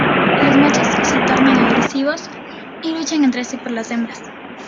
Los machos se tornan entonces agresivos y luchan entre sí por las hembras.